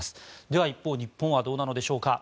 では、一方日本はどうなんでしょうか。